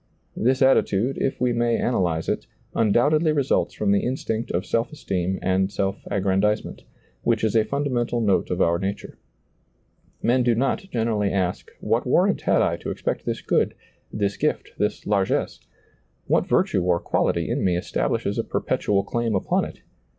This attitude, if we may analyze it, undoubtedly results from the instinct of self esteem and self ^lailizccbvGoOgle ijo SEEING DARKLY aggrandizement, which is a fundamental note of our nature. Men do not generally ask What war rant had I to expect this good, this gift, this largess? what virtue or quality in me estab lishes a perpetual claim upon it